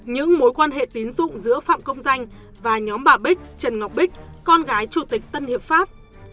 những mối quan hệ tín dụng giữa phạm công danh và nhóm bà bích trần ngọc bích con gái chủ tịch tân hiệp pháp